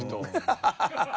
ハハハハハ！